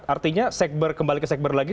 artinya kembali ke sekber lagi